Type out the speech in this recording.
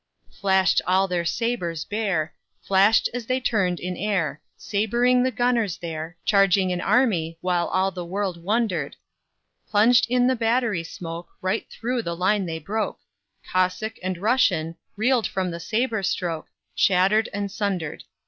Flash'd all their sabres bare, Flash'd as they turn'd in air Sabring the gunners there, Charging an army, while All the world wonder'd: Plunged in the battery smoke Right thro' the line they broke; Cossack and Russian Reel'd from the sabre stroke Shatter'd and sunder'd.